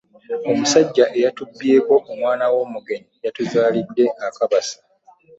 Omusajja eyatubbyeko omwana w'omugenyi yatuzaalidde akabasa.